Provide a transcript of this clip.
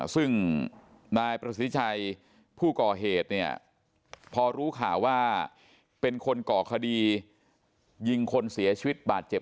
ซึ่งนายประสิทธิ์ชัยผู้ก่อเหตุเนี่ยพอรู้ข่าวว่าเป็นคนก่อคดียิงคนเสียชีวิตบาดเจ็บ